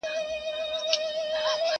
پرېږده ستا د تورو ګڼو وریځو د سیلیو زور؛